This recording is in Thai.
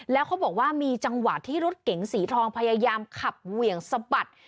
แล้วเขาบอกว่ามีจังหวะที่รถเก๋งสีทองพยายามขับเหวี่ยงสะบัด